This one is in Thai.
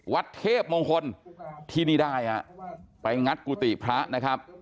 วัดเทพมงคลที่นี่ได้ฮะไปงัดกุฏิพระนะครับ